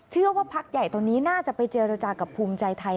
พักใหญ่ตอนนี้น่าจะไปเจรจากับภูมิใจไทย